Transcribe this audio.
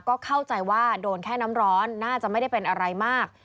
ก็เข้าใจว่าโดนแค่น้ำร้อนน่าจะไม่ได้เป็นอะไรมาก